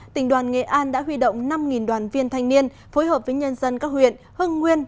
tỉnh đoàn nghệ an đã huy động năm đoàn viên thanh niên phối hợp với nhân dân các huyện hưng nguyên